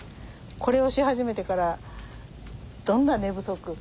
これをし始めてからどんな寝不足。